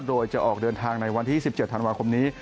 โดยจะออกเดินทางในวันที่๑๗ธันวาคมนี้